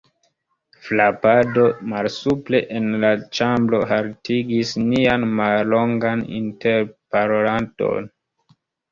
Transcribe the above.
Frapado malsupre en la ĉambro haltigis nian mallongan interparoladon.